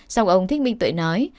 sau ông thích minh tuệ nói